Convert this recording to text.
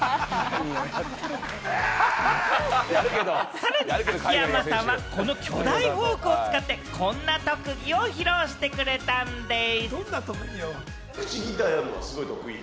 さらに秋山さんは、この巨大フォークを使って、こんな特技を披露してくれたんでぃす！